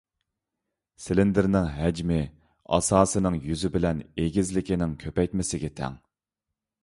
سىلىندىرنىڭ ھەجمى، ئاساسىنىڭ يۈزى بىلەن ئېگىزلىكىنىڭ كۆپەيتمىسىگە تەڭ.